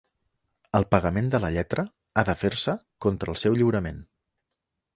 El pagament de la lletra ha de fer-se contra el seu lliurament.